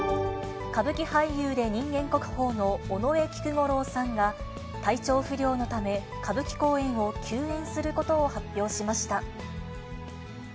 歌舞伎俳優で人間国宝の尾上菊五郎さんが体調不良のため、歌舞伎公演を休演することを発表しました。